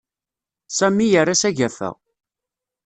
Sami yerra s agafa.